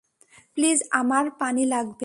Please, আমার পানি লাগবে।